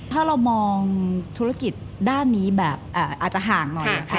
ถ้าเรามองธุรกิจด้านนี้แบบอาจจะห่างหน่อยค่ะ